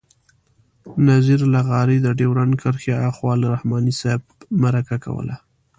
نذیر لغاري د ډیورنډ کرښې آخوا له رحماني صاحب مرکه کوله.